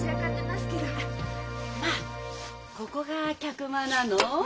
まあここが客間なの？